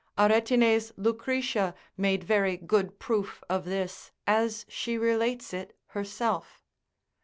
Aretine's Lucretia made very good proof of this, as she relates it herself.